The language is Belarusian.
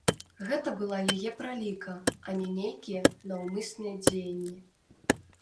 Гэта была яе праліка, а не нейкія наўмысныя дзеянні.